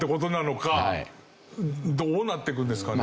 どうなっていくんですかね？